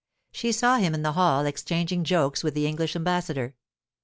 She saw him in the hall exchanging jokes with the English ambassador.